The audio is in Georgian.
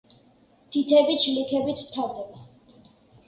თითები ჩლიქებით მთავრდება.